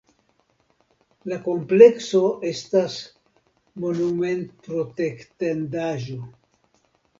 La komplekso estas monumentprotektendaĵo.